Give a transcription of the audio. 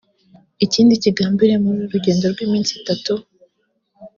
Ikindi kigambiriwe mu uru rugendo rw’iminsi itatu